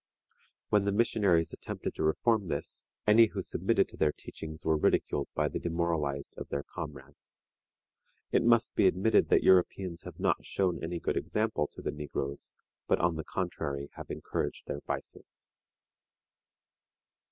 When the missionaries attempted to reform this, any who submitted to their teachings were ridiculed by the demoralized of their comrades. It must be admitted that Europeans have not shown any good example to the negroes, but, on the contrary, have encouraged their vices.